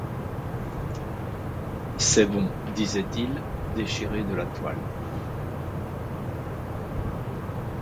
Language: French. C'est bon, disait-il, déchirez de la toile.